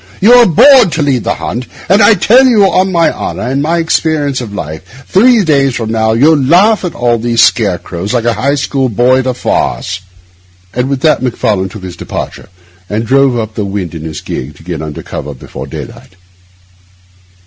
You were born to lead the hunt; and I tell you, on my honour and my experience of life, three days from now you'll laugh at all these scarecrows like a High School boy at a farce.' And with that Macfarlane took his departure and drove off up the wynd in his gig to get under cover before daylight.